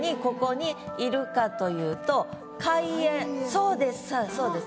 そうですそうです。